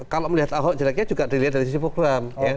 kalau melihat ahok jeleknya juga dilihat dari sisi program